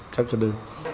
các ca đơ